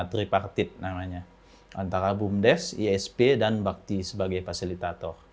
tripartit namanya antara bumdes isp dan bakti sebagai fasilitator